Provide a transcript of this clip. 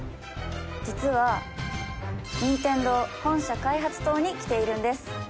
実は任天堂本社開発棟に来ているんです。